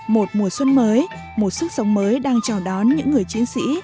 một mùa xuân mới một sức sống mới đang chào đón những người chiến sĩ